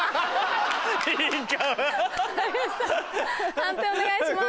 判定お願いします。